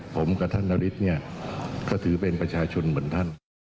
ผมกับท่านธริตธิก็ถือเป็นประชาชนเหมือนท่าน